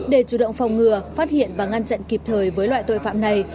để chủ động phòng ngừa phát hiện và ngăn chặn kịp thời với loại tội phạm này